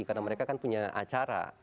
karena mereka kan punya acara